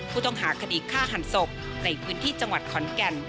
ผู้ต้องหาคดีฆ่าหันศพในพื้นที่จังหวัดขอนแก่น